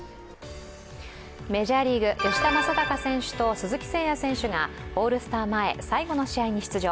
メジャーリーグ、吉田正尚選手と鈴木誠也選手がオールスター前、最後の試合に出場。